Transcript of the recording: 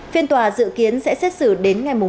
phiên tòa dự kiến sẽ xét xử đến ngày một tháng một mươi hai